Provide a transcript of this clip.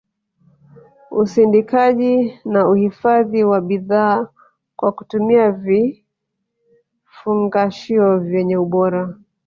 usindikaji na uhifadhi wa bidhaa kwa kutumia vifungashio vyenye ubora